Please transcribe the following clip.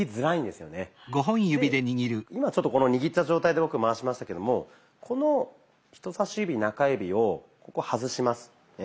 で今ちょっとこの握った状態で僕回しましたけどもこの人さし指・中指をここ外します。